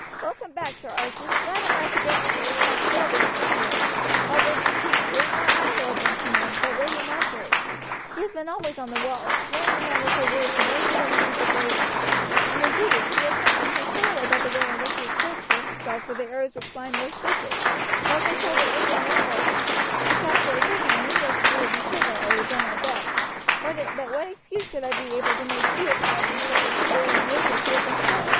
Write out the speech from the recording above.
"Welcome back, Sir Archie; glad am I to give up the responsibility of this post, although, indeed, it is not I who have been in command, but Lady Marjory. She has been always on the walls, cheering the men with her words and urging them to deeds of bravery; and, indeed, she has frightened me sorely by the way in which she exposed herself where the arrows were flying most thickly, for as I told her over and over again, if the castle were taken I knew that you would be sure that I had done my best, but what excuse should I be able to make to you if I had to bear you the news that she had been killed?"